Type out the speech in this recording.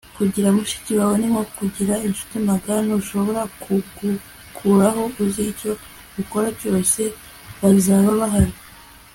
kugira mushiki wawe ni nko kugira inshuti magara ntushobora kugukuraho uzi icyo ukora cyose, bazaba bahari